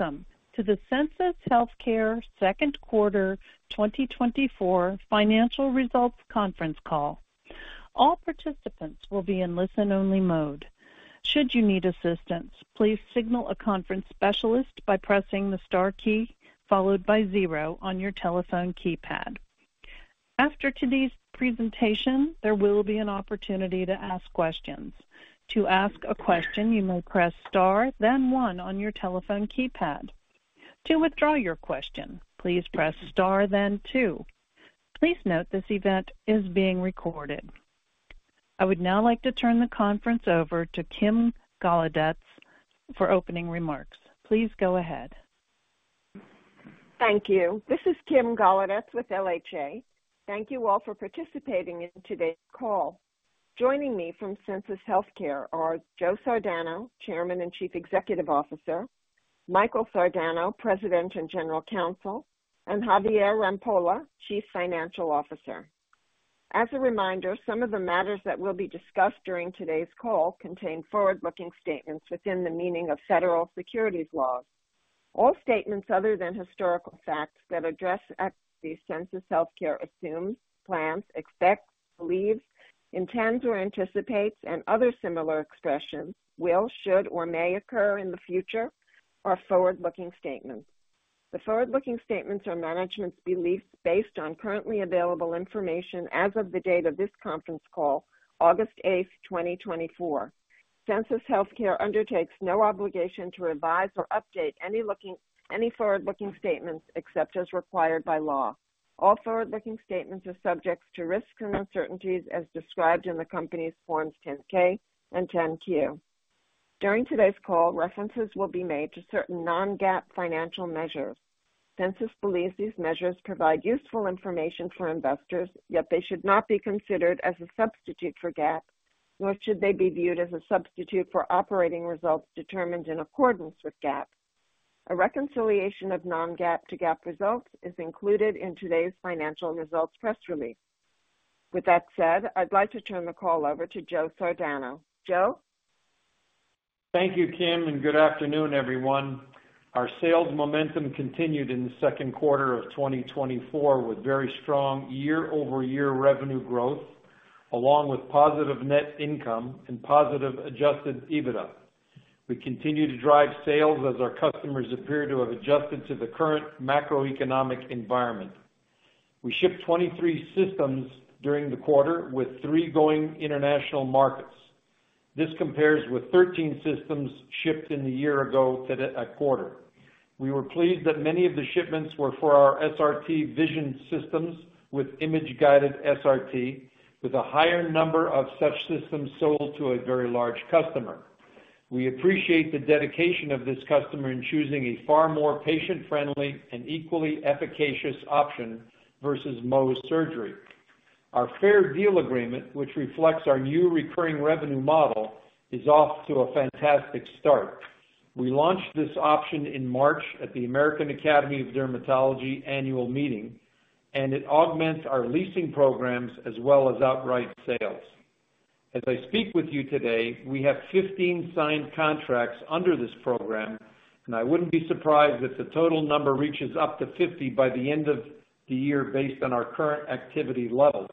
Welcome to the Sensus Healthcare Second Quarter 2024 Financial Results Conference Call. All participants will be in listen-only mode. Should you need assistance, please signal a conference specialist by pressing the star key, followed by zero on your telephone keypad. After today's presentation, there will be an opportunity to ask questions. To ask a question, you may press star, then one on your telephone keypad. To withdraw your question, please press star, then two. Please note, this event is being recorded. I would now like to turn the conference over to Kim Golodetz for opening remarks. Please go ahead. Thank you. This is Kim Golodetz with LHA. Thank you all for participating in today's call. Joining me from Sensus Healthcare are Joe Sardano, Chairman and Chief Executive Officer, Michael Sardano, President and General Counsel, and Javier Rampolla, Chief Financial Officer. As a reminder, some of the matters that will be discussed during today's call contain forward-looking statements within the meaning of federal securities laws. All statements other than historical facts that address Sensus Healthcare assumes, plans, expects, believes, intends, or anticipates, and other similar expressions, will, should, or may occur in the future are forward-looking statements. The forward-looking statements are management's beliefs based on currently available information as of the date of this conference call, August 8, 2024. Sensus Healthcare undertakes no obligation to revise or update any forward-looking statements, except as required by law. All forward-looking statements are subject to risks and uncertainties as described in the company's Forms 10-K and 10-Q. During today's call, references will be made to certain non-GAAP financial measures. Sensus believes these measures provide useful information for investors, yet they should not be considered as a substitute for GAAP, nor should they be viewed as a substitute for operating results determined in accordance with GAAP. A reconciliation of non-GAAP to GAAP results is included in today's financial results press release. With that said, I'd like to turn the call over to Joe Sardano. Joe? Thank you, Kim, and good afternoon, everyone. Our sales momentum continued in the second quarter of 2024, with very strong year-over-year revenue growth, along with positive net income and positive adjusted EBITDA. We continue to drive sales as our customers appear to have adjusted to the current macroeconomic environment. We shipped 23 systems during the quarter, with three going to international markets. This compares with 13 systems shipped in the year-ago quarter. We were pleased that many of the shipments were for our SRT Vision systems, with Image-Guided SRT, with a higher number of such systems sold to a very large customer. We appreciate the dedication of this customer in choosing a far more patient-friendly and equally efficacious option versus Mohs surgery. Our Fair Deal Agreement, which reflects our new recurring revenue model, is off to a fantastic start. We launched this option in March at the American Academy of Dermatology annual meeting, and it augments our leasing programs as well as outright sales. As I speak with you today, we have 15 signed contracts under this program, and I wouldn't be surprised if the total number reaches up to 50 by the end of the year, based on our current activity levels.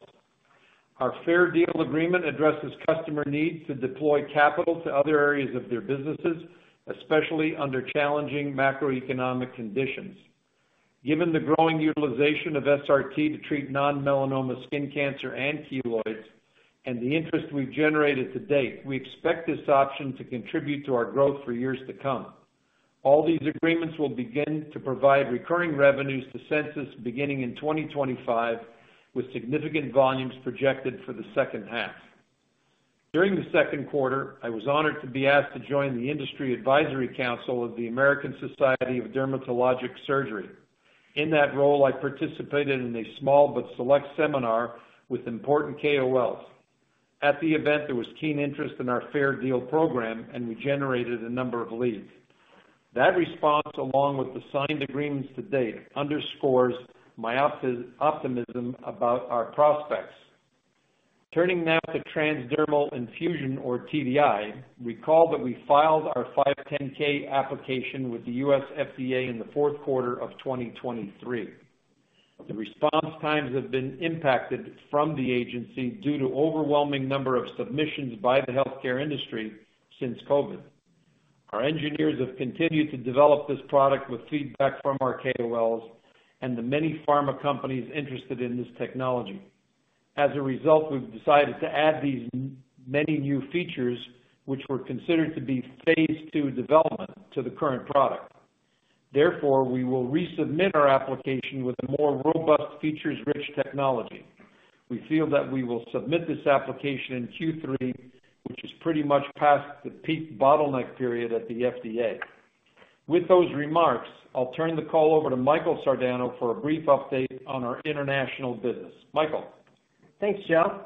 Our Fair Deal Agreement addresses customer needs to deploy capital to other areas of their businesses, especially under challenging macroeconomic conditions. Given the growing utilization of SRT to treat non-melanoma skin cancer and keloids and the interest we've generated to date, we expect this option to contribute to our growth for years to come. All these agreements will begin to provide recurring revenues to Sensus beginning in 2025, with significant volumes projected for the second half. During the second quarter, I was honored to be asked to join the Industry Advisory Council of the American Society of Dermatologic Surgery. In that role, I participated in a small but select seminar with important KOLs. At the event, there was keen interest in our Fair Deal program, and we generated a number of leads. That response, along with the signed agreements to date, underscores my optimism about our prospects. Turning now to TransDermal Infusion, or TDI. Recall that we filed our 510(k) application with the U.S. FDA in the fourth quarter of 2023. The response times have been impacted from the agency due to overwhelming number of submissions by the healthcare industry since COVID. Our engineers have continued to develop this product with feedback from our KOLs and the many pharma companies interested in this technology. As a result, we've decided to add these many new features, which were considered to be phase II development to the current product. Therefore, we will resubmit our application with a more robust, features-rich technology. We feel that we will submit this application in Q3, which is pretty much past the peak bottleneck period at the FDA. With those remarks, I'll turn the call over to Michael Sardano for a brief update on our international business. Michael? Thanks, Joe.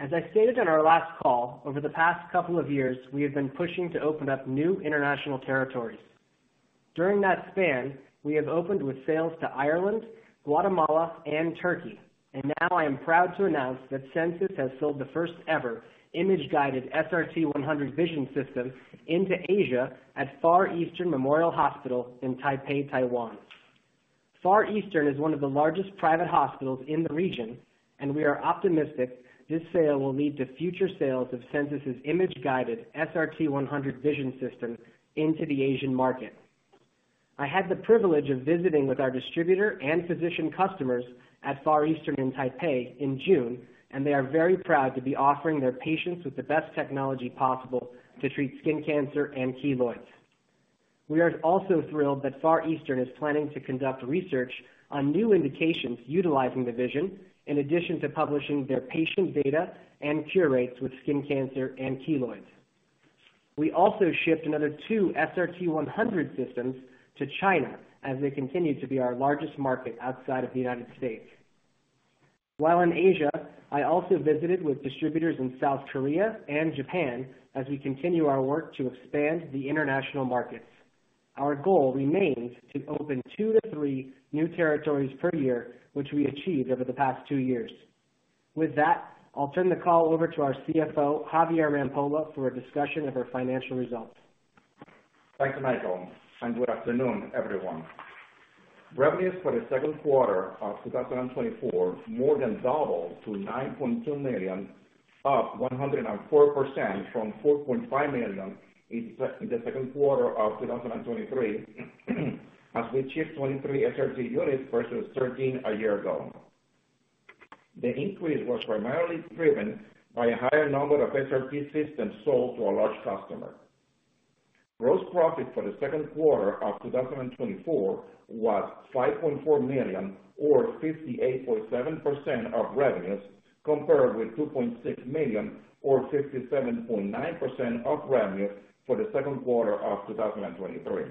As I stated on our last call, over the past couple of years, we have been pushing to open up new international territories. During that span, we have opened with sales to Ireland, Guatemala, and Turkey, and now I am proud to announce that Sensus has sold the first-ever image-guided SRT-100 Vision system into Asia at Far Eastern Memorial Hospital in Taipei, Taiwan. Far Eastern is one of the largest private hospitals in the region, and we are optimistic this sale will lead to future sales of Sensus' image-guided SRT-100 Vision system into the Asian market. I had the privilege of visiting with our distributor and physician customers at Far Eastern in Taipei in June, and they are very proud to be offering their patients with the best technology possible to treat skin cancer and keloids. We are also thrilled that Far Eastern is planning to conduct research on new indications utilizing the Vision, in addition to publishing their patient data and cure rates with skin cancer and keloids. We also shipped another two SRT-100 systems to China as they continue to be our largest market outside of the United States. While in Asia, I also visited with distributors in South Korea and Japan as we continue our work to expand the international markets. Our goal remains to open two to three new territories per year, which we achieved over the past two years. With that, I'll turn the call over to our CFO, Javier Rampolla, for a discussion of our financial results. Thanks, Michael, and good afternoon, everyone. Revenues for the second quarter of 2024 more than doubled to $9.2 million, up 104% from $4.5 million in the second quarter of 2023, as we shipped 23 SRT units versus 13 a year ago. The increase was primarily driven by a higher number of SRT systems sold to a large customer. Gross profit for the second quarter of 2024 was $5.4 million, or 58.7% of revenues, compared with $2.6 million, or 57.9% of revenues for the second quarter of 2023.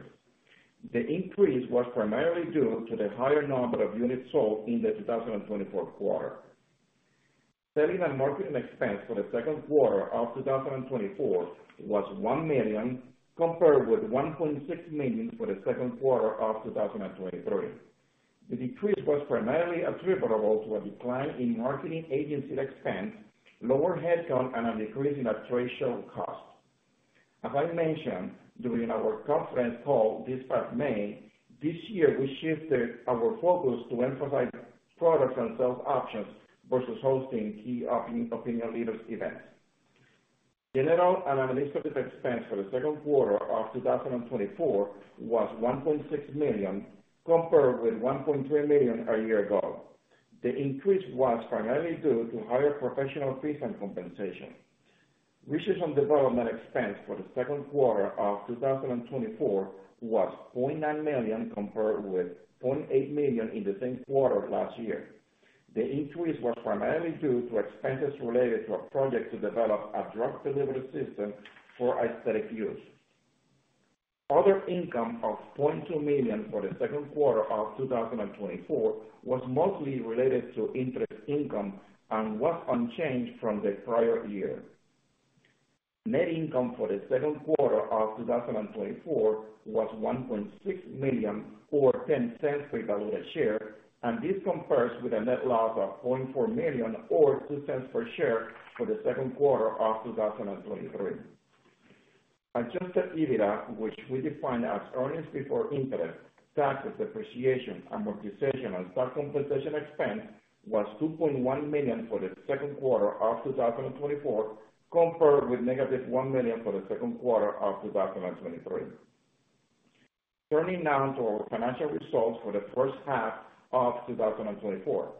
The increase was primarily due to the higher number of units sold in the 2024 quarter. Selling and marketing expense for the second quarter of 2024 was $1 million, compared with $1.6 million for the second quarter of 2023. The decrease was primarily attributable to a decline in marketing agency expense, lower headcount, and a decrease in a trade show cost. As I mentioned during our conference call this past May, this year we shifted our focus to emphasize products and sales options versus hosting key opinion leaders events. General and administrative expense for the second quarter of 2024 was $1.6 million, compared with $1.3 million a year ago. The increase was primarily due to higher professional fees and compensation. Research and development expense for the second quarter of 2024 was $0.9 million, compared with $0.8 million in the same quarter last year. The increase was primarily due to expenses related to a project to develop a drug delivery system for aesthetic use. Other income of $0.2 million for the second quarter of 2024 was mostly related to interest income and was unchanged from the prior year. Net income for the second quarter of 2024 was $1.6 million, or $0.10 per diluted share, and this compares with a net loss of $0.4 million, or $0.02 per share for the second quarter of 2023. Adjusted EBITDA, which we define as earnings before interest, taxes, depreciation, amortization, and stock compensation expense, was $2.1 million for the second quarter of 2024, compared with -$1 million for the second quarter of 2023. Turning now to our financial results for the first half of 2024.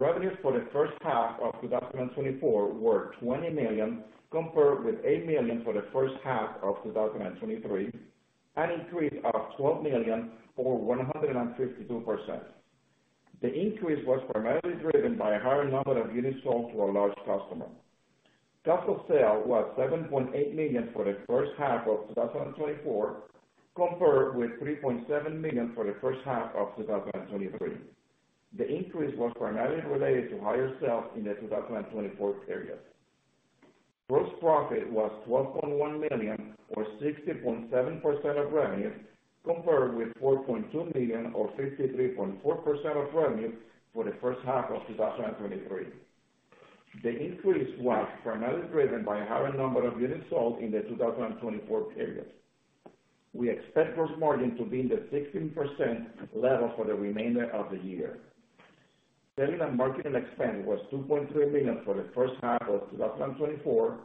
Revenues for the first half of 2024 were $20 million, compared with $8 million for the first half of 2023, an increase of $12 million or 152%. The increase was primarily driven by a higher number of units sold to a large customer. Cost of sales was $7.8 million for the first half of 2024, compared with $3.7 million for the first half of 2023. The increase was primarily related to higher sales in the 2024 period. Gross profit was $12.1 million, or 60.7% of revenue, compared with $4.2 million, or 63.4% of revenue, for the first half of 2023. The increase was primarily driven by a higher number of units sold in the 2024 period. We expect gross margin to be in the 16% level for the remainder of the year. Selling and marketing expense was $2.3 million for the first half of 2024,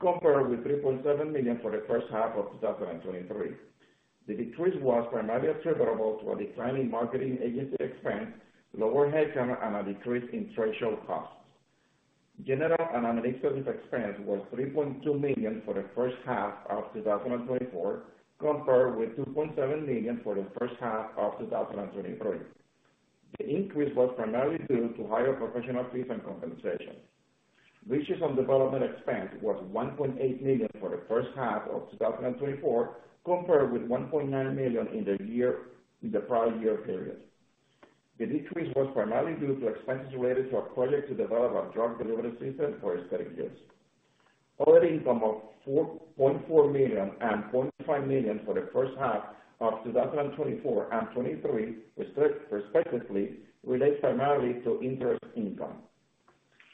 compared with $3.7 million for the first half of 2023. The decrease was primarily attributable to a decline in marketing agency expense, lower headcount, and a decrease in trade show costs. General and administrative expense was $3.2 million for the first half of 2024, compared with $2.7 million for the first half of 2023. The increase was primarily due to higher professional fees and compensation. Research and development expense was $1.8 million for the first half of 2024, compared with $1.9 million in the prior year period. The decrease was primarily due to expenses related to a project to develop a drug delivery system for aesthetic use. Other income of $4.4 million and $0.5 million for the first half of 2024 and 2023, respectively, relates primarily to interest income.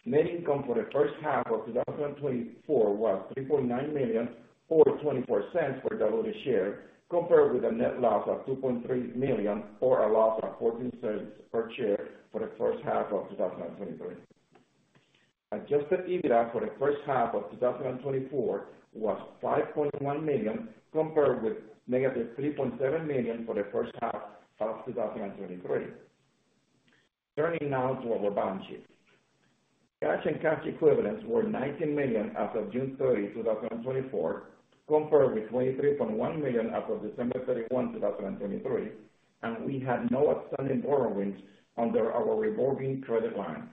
Net income for the first half of 2024 was $3.9 million, or $0.24 per diluted share, compared with a net loss of $2.3 million, or a loss of $0.14 per share for the first half of 2023. Adjusted EBITDA for the first half of 2024 was $5.1 million, compared with -$3.7 million for the first half of 2023. Turning now to our balance sheet. Cash and cash equivalents were $19 million as of June 30, 2024, compared with $23.1 million as of December 31, 2023, and we had no outstanding borrowings under our revolving credit line.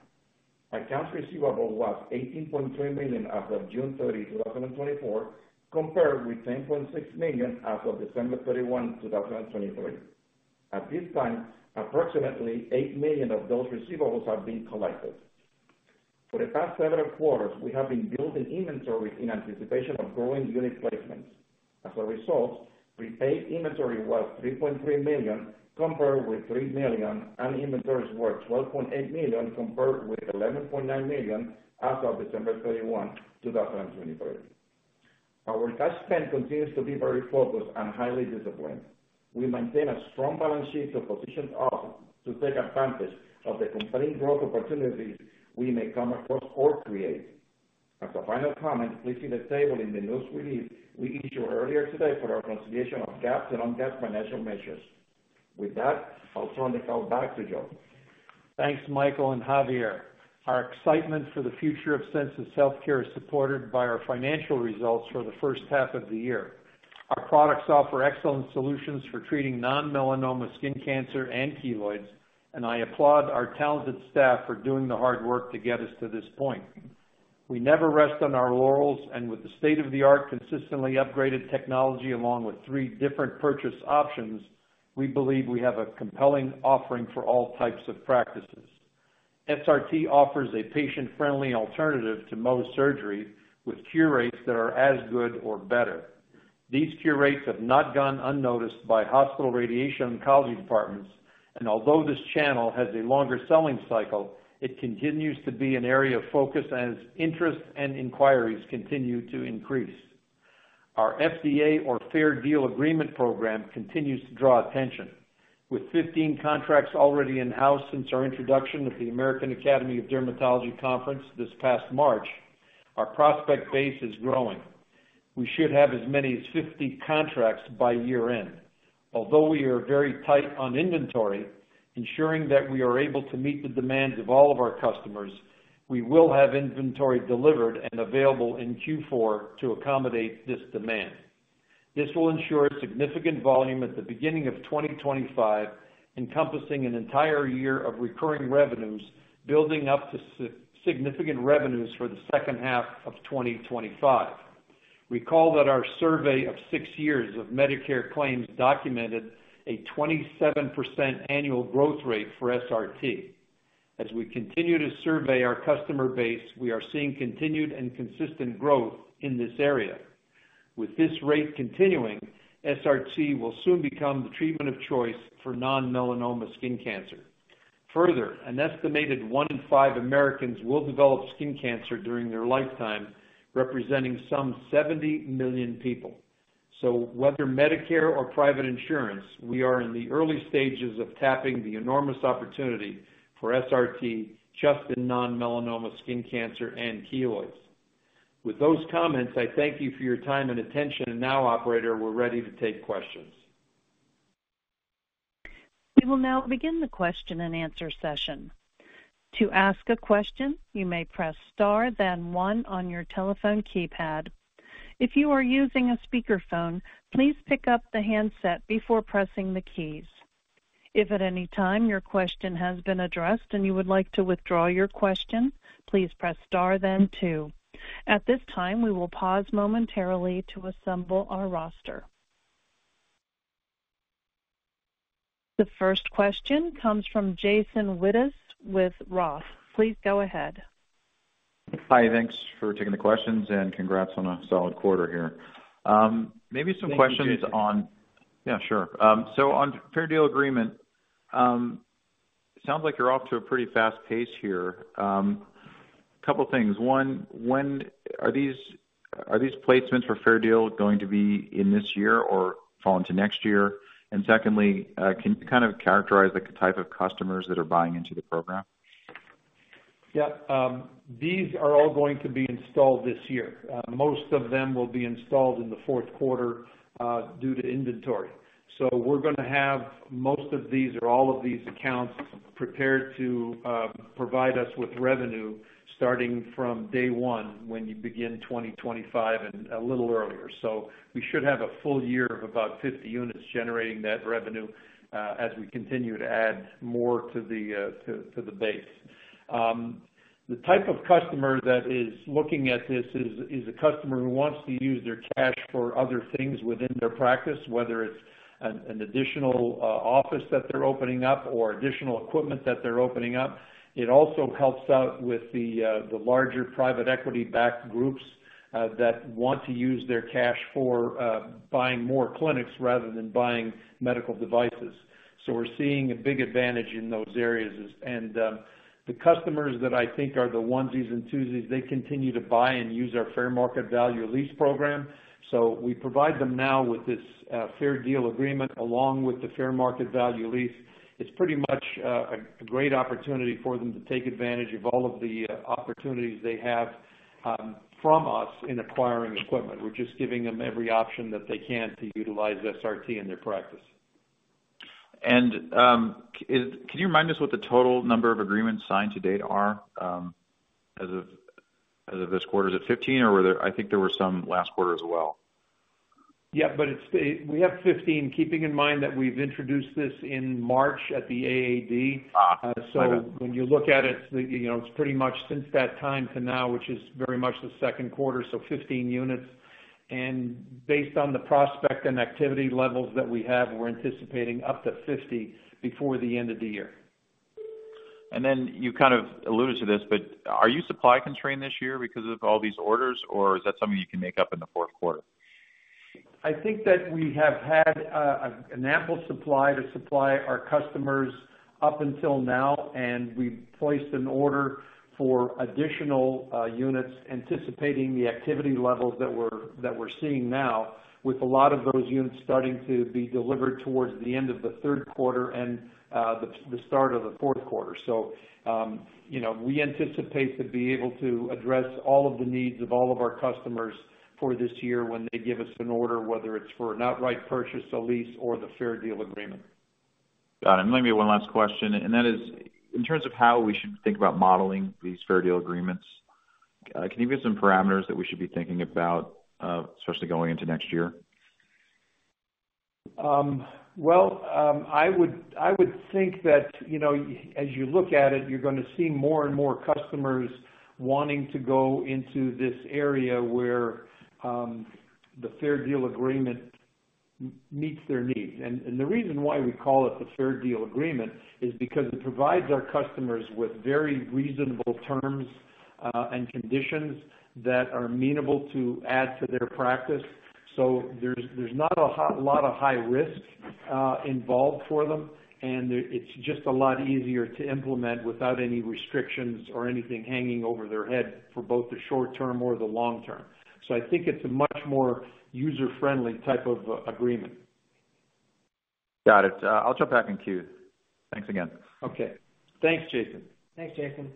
Accounts receivable was $18.3 million as of June 30, 2024, compared with $10.6 million as of December 31, 2023. At this time, approximately $8 million of those receivables have been collected. For the past several quarters, we have been building inventory in anticipation of growing unit placements. As a result, prepaid inventory was $3.3 million, compared with $3 million, and inventories were $12.8 million, compared with $11.9 million as of December 31, 2023. Our cash spend continues to be very focused and highly disciplined. We maintain a strong balance sheet to position us to take advantage of the compelling growth opportunities we may come across or create. As a final comment, please see the table in the news release we issued earlier today for our consideration of GAAP and non-GAAP financial measures. With that, I'll turn the call back to Joe. Thanks, Michael and Javier. Our excitement for the future of Sensus Healthcare is supported by our financial results for the first half of the year. Our products offer excellent solutions for treating non-melanoma skin cancer and keloids, and I applaud our talented staff for doing the hard work to get us to this point. We never rest on our laurels, and with the state-of-the-art, consistently upgraded technology, along with three different purchase options, we believe we have a compelling offering for all types of practices. SRT offers a patient-friendly alternative to Mohs surgery, with cure rates that are as good or better. These cure rates have not gone unnoticed by hospital radiation oncology departments, and although this channel has a longer selling cycle, it continues to be an area of focus as interest and inquiries continue to increase. Our Fair Deal Agreement program continues to draw attention. With 15 contracts already in-house since our introduction at the American Academy of Dermatology Conference this past March, our prospect base is growing. We should have as many as 50 contracts by year-end. Although we are very tight on inventory, ensuring that we are able to meet the demands of all of our customers, we will have inventory delivered and available in Q4 to accommodate this demand. This will ensure significant volume at the beginning of 2025, encompassing an entire year of recurring revenues, building up to significant revenues for the second half of 2025. Recall that our survey of six years of Medicare claims documented a 27% annual growth rate for SRT. As we continue to survey our customer base, we are seeing continued and consistent growth in this area. With this rate continuing, SRT will soon become the treatment of choice for non-melanoma skin cancer. Further, an estimated one in five Americans will develop skin cancer during their lifetime, representing some 70 million people. So whether Medicare or private insurance, we are in the early stages of tapping the enormous opportunity for SRT just in non-melanoma skin cancer and keloids. With those comments, I thank you for your time and attention. Now, operator, we're ready to take questions. We will now begin the question-and-answer session. To ask a question, you may press star, then one on your telephone keypad. If you are using a speakerphone, please pick up the handset before pressing the keys. If at any time your question has been addressed and you would like to withdraw your question, please press star, then two. At this time, we will pause momentarily to assemble our roster. The first question comes from Jason Wittes with Roth. Please go ahead. Hi, thanks for taking the questions, and congrats on a solid quarter here. Maybe some questions on- Thank you, Jason. Yeah, sure. So on Fair Deal Agreement, it sounds like you're off to a pretty fast pace here. A couple things. One, when are these placements for Fair Deal going to be in this year or fall into next year? And secondly, can you kind of characterize the type of customers that are buying into the program? Yeah, these are all going to be installed this year. Most of them will be installed in the fourth quarter, due to inventory. So we're gonna have most of these or all of these accounts prepared to provide us with revenue starting from day one when you begin 2025 and a little earlier. So we should have a full year of about 50 units generating that revenue, as we continue to add more to the base. The type of customer that is looking at this is a customer who wants to use their cash for other things within their practice, whether it's an additional office that they're opening up or additional equipment that they're opening up. It also helps out with the larger private equity-backed groups... That want to use their cash for buying more clinics rather than buying medical devices. So we're seeing a big advantage in those areas. And the customers that I think are the onesies and twosies, they continue to buy and use our fair market value lease program. So we provide them now with this Fair Deal Agreement, along with the fair market value lease. It's pretty much a great opportunity for them to take advantage of all of the opportunities they have from us in acquiring equipment. We're just giving them every option that they can to utilize SRT in their practice. Can you remind us what the total number of agreements signed to date are, as of this quarter? Is it 15, or were there some last quarter as well. Yeah, but it's, we have 15, keeping in mind that we've introduced this in March at the AAD. Ah, okay. When you look at it, you know, it's pretty much since that time to now, which is very much the second quarter, so 15 units. Based on the prospects and activity levels that we have, we're anticipating up to 50 before the end of the year. You kind of alluded to this, but are you supply-constrained this year because of all these orders, or is that something you can make up in the fourth quarter? I think that we have had an ample supply to supply our customers up until now, and we've placed an order for additional units, anticipating the activity levels that we're, that we're seeing now, with a lot of those units starting to be delivered towards the end of the third quarter and the start of the fourth quarter. So, you know, we anticipate to be able to address all of the needs of all of our customers for this year when they give us an order, whether it's for an outright purchase, a lease, or the Fair Deal Agreement. Got it. And maybe one last question, and that is: in terms of how we should think about modeling these Fair Deal agreements, can you give us some parameters that we should be thinking about, especially going into next year? Well, I would think that, you know, as you look at it, you're gonna see more and more customers wanting to go into this area where the Fair Deal Agreement meets their needs. And the reason why we call it the Fair Deal Agreement is because it provides our customers with very reasonable terms and conditions that are manageable to add to their practice. So there's not a lot of high risk involved for them, and it's just a lot easier to implement without any restrictions or anything hanging over their head for both the short term or the long term. So I think it's a much more user-friendly type of agreement. Got it. I'll jump back in queue. Thanks again. Okay. Thanks, Jason. Thanks, Jason.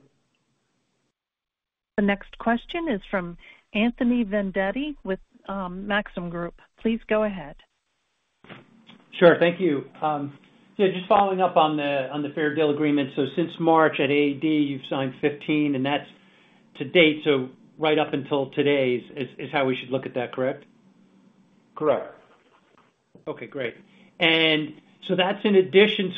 The next question is from Anthony Vendetti with Maxim Group. Please go ahead. Sure. Thank you. Yeah, just following up on the Fair Deal Agreement. So since March at AAD, you've signed 15, and that's to date, so right up until today is how we should look at that, correct? Correct. Okay, great. And so that's in addition...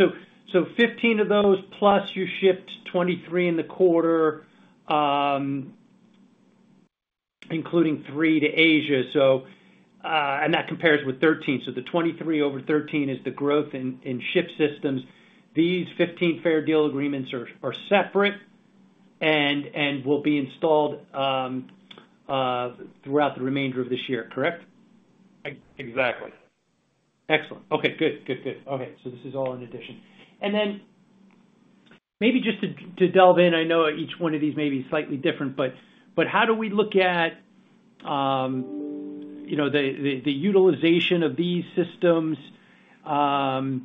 So 15 of those, plus you shipped 23 in the quarter, including three to Asia. So and that compares with 13. So the 23 over 13 is the growth in shipped systems. These 15 Fair Deal Agreements are separate and will be installed throughout the remainder of this year, correct? Ex-exactly. Excellent. Okay, good, good, good. Okay, so this is all in addition. Then maybe just to delve in, I know each one of these may be slightly different, but how do we look at, you know, the utilization of these systems? You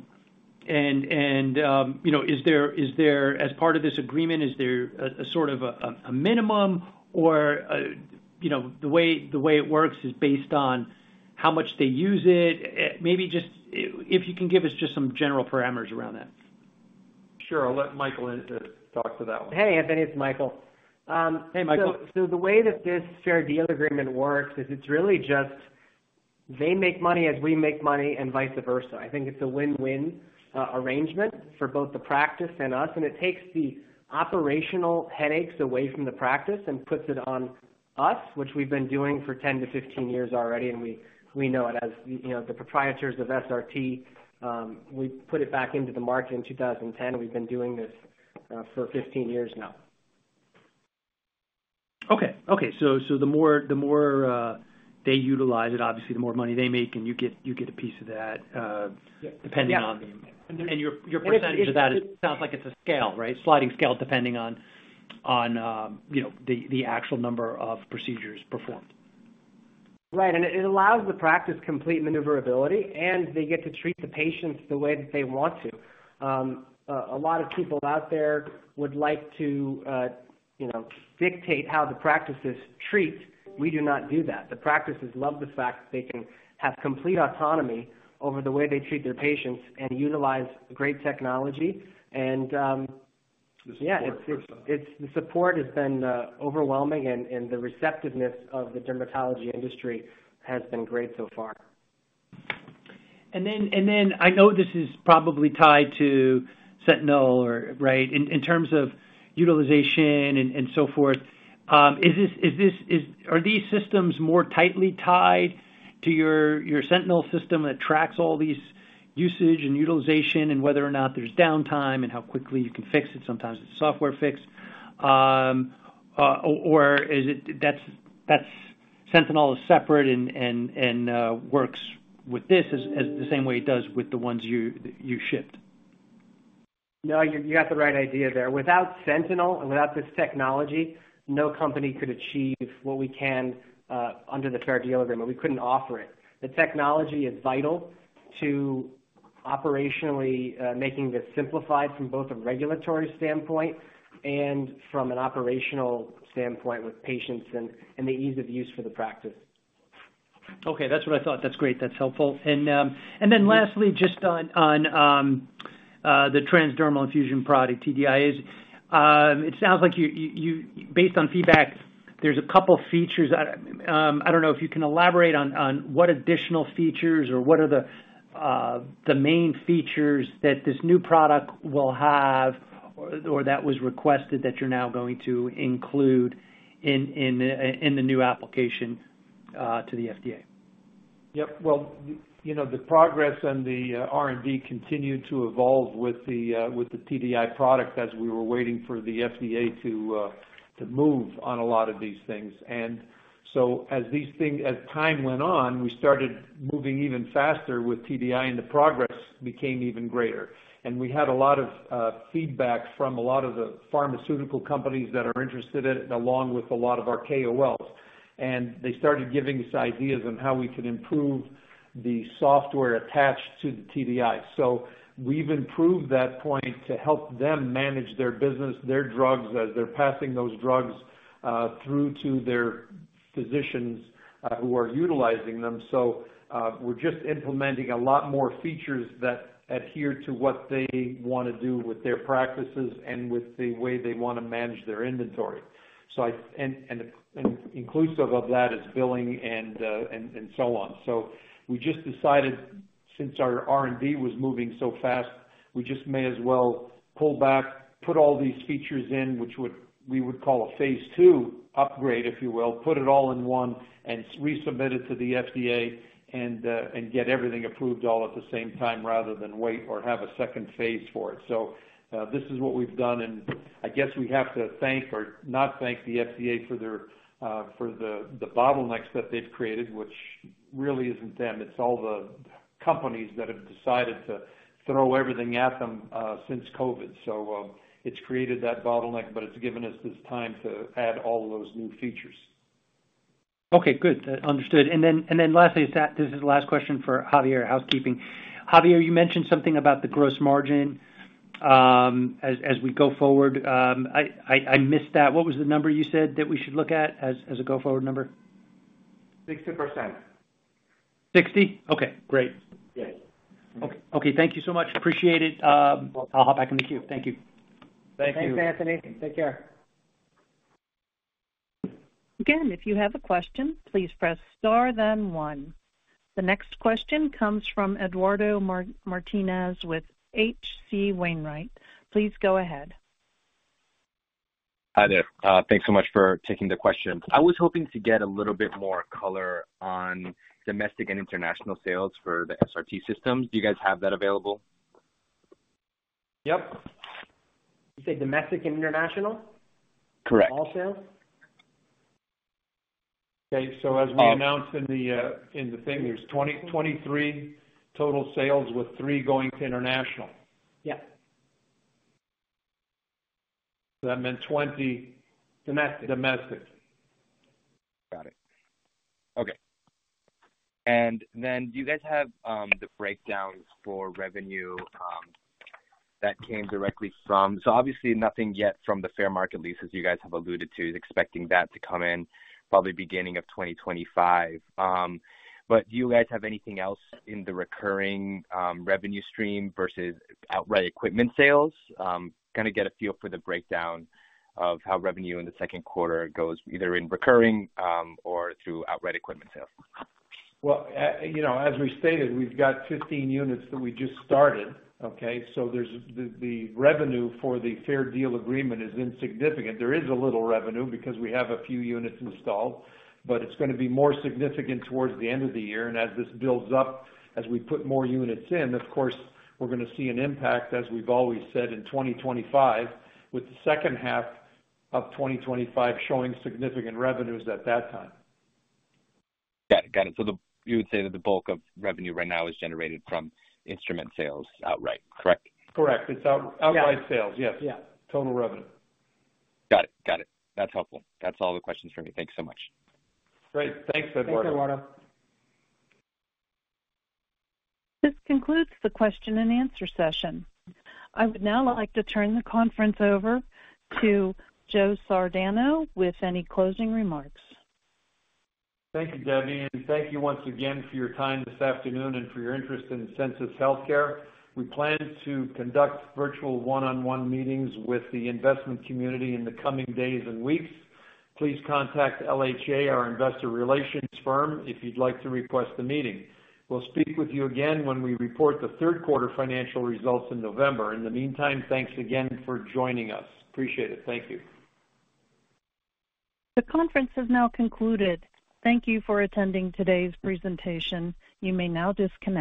know, is there, as part of this agreement, is there a sort of a minimum or, you know, the way it works is based on how much they use it? Maybe just if you can give us just some general parameters around that. Sure. I'll let Michael in to talk to that one. Hey, Anthony, it's Michael. Hey, Michael. So, the way that this Fair Deal Agreement works is it's really just they make money as we make money, and vice versa. I think it's a win-win arrangement for both the practice and us, and it takes the operational headaches away from the practice and puts it on us, which we've been doing for 10-15 years already, and we know it. As you know, the proprietors of SRT, we put it back into the market in 2010, and we've been doing this for 15 years now. Okay, so the more they utilize it, obviously, the more money they make, and you get a piece of that. Yeah... depending on. Your percentage of that, it sounds like it's a scale, right? Sliding scale, depending on, you know, the actual number of procedures performed. Right. It allows the practice complete maneuverability, and they get to treat the patients the way that they want to. A lot of people out there would like to, you know, dictate how the practices treat. We do not do that. The practices love the fact that they can have complete autonomy over the way they treat their patients and utilize great technology. And, yeah- The support, for sure. It's the support has been overwhelming, and the receptiveness of the dermatology industry has been great so far. I know this is probably tied to Sentinel or... Right? In terms of utilization and so forth, are these systems more tightly tied to your Sentinel system that tracks all these usage and utilization and whether or not there's downtime and how quickly you can fix it, sometimes it's a software fix. Or is it that Sentinel is separate and works with this as the same way it does with the ones you shipped? No, you, you got the right idea there. Without Sentinel and without this technology, no company could achieve what we can under the Fair Deal Agreement. We couldn't offer it. The technology is vital to operationally making this simplified from both a regulatory standpoint and from an operational standpoint with patients and the ease of use for the practice. Okay, that's what I thought. That's great. That's helpful. And, and then lastly, just on, on, the TransDermal Infusion product, TDIs. It sounds like you based on feedback, there's a couple features. I don't know if you can elaborate on, on what additional features or what are the, the main features that this new product will have or, or that was requested that you're now going to include in, in, the new application to the FDA? Yep. Well, you know, the progress and the R&D continued to evolve with the TDI product as we were waiting for the FDA to move on a lot of these things. And so as these things, as time went on, we started moving even faster with TDI, and the progress became even greater. And we had a lot of feedback from a lot of the pharmaceutical companies that are interested in it, along with a lot of our KOLs. And they started giving us ideas on how we could improve the software attached to the TDI. So we've improved that point to help them manage their business, their drugs, as they're passing those drugs through to their physicians who are utilizing them. So, we're just implementing a lot more features that adhere to what they wanna do with their practices and with the way they wanna manage their inventory. So, inclusive of that is billing and so on. So we just decided, since our R&D was moving so fast, we just may as well pull back, put all these features in, which we would call a phase II upgrade, If you will, put it all in one and resubmit it to the FDA, and get everything approved all at the same time, rather than wait or have a second phase for it. So, this is what we've done, and I guess we have to thank or not thank the FDA for their bottlenecks that they've created, which really isn't them. It's all the companies that have decided to throw everything at them since COVID. So, it's created that bottleneck, but it's given us this time to add all those new features. Okay, good. Understood. And then lastly, this is the last question for Javier, housekeeping. Javier, you mentioned something about the gross margin as we go forward. I missed that. What was the number you said that we should look at as a go-forward number? 60%. 60? Okay, great. Yes. Okay. Okay, thank you so much. Appreciate it. I'll hop back in the queue. Thank you. Thank you. Thanks, Anthony. Take care. Again, if you have a question, please press star then one. The next question comes from Eduardo Martinez with H.C. Wainwright. Please go ahead. Hi there. Thanks so much for taking the question. I was hoping to get a little bit more color on domestic and international sales for the SRT systems. Do you guys have that available? Yep. You said domestic and international? Correct. All sales? Okay. So as we announced in the thing, there's 2023 total sales, with three going to international. Yeah. So that meant 20- Domestic. Domestic. Got it. Okay. And then do you guys have the breakdowns for revenue that came directly from... So obviously nothing yet from the fair market leases you guys have alluded to, expecting that to come in probably beginning of 2025. But do you guys have anything else in the recurring revenue stream versus outright equipment sales? Kinda get a feel for the breakdown of how revenue in the second quarter goes, either in recurring or through outright equipment sales. Well, you know, as we stated, we've got 15 units that we just started, okay? So there's the, the revenue for the Fair Deal Agreement is insignificant. There is a little revenue because we have a few units installed, but it's gonna be more significant towards the end of the year. And as this builds up, as we put more units in, of course, we're gonna see an impact, as we've always said, in 2025, with the second half of 2025 showing significant revenues at that time. Got it. Got it. So you would say that the bulk of revenue right now is generated from instrument sales outright, correct? Correct. It's out- Yeah outright sales, yes. Yeah. Total revenue. Got it. Got it. That's helpful. That's all the questions for me. Thank you so much. Great. Thanks, Eduardo. Thanks, Eduardo. This concludes the question and answer session. I would now like to turn the conference over to Joe Sardano with any closing remarks. Thank you, Debbie, and thank you once again for your time this afternoon and for your interest in Sensus Healthcare. We plan to conduct virtual one-on-one meetings with the investment community in the coming days and weeks. Please contact LHA, our investor relations firm, if you'd like to request a meeting. We'll speak with you again when we report the third quarter financial results in November. In the meantime, thanks again for joining us. Appreciate it. Thank you. The conference has now concluded. Thank you for attending today's presentation. You may now disconnect.